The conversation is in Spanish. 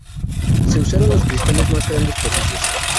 Se usaron los cristales más grandes posibles.